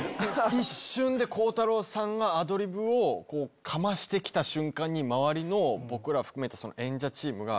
一瞬で鋼太郎さんがアドリブをかましてきた瞬間に周りの僕ら含めて演者チームが。